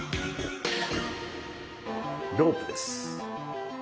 ロープです。